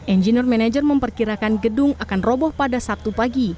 engineer manager memperkirakan gedung akan roboh pada sabtu pagi